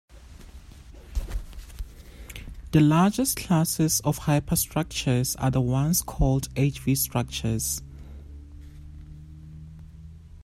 The largest classes of the hyperstructures are the ones called "Hv" - structures.